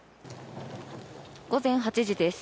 午前８時です。